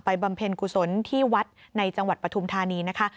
บำเพ็ญกุศลที่วัดในจังหวัดปฐุมธานีนะคะ